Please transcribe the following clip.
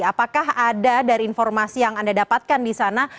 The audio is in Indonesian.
apakah ada dari informasi yang anda dapatkan di sana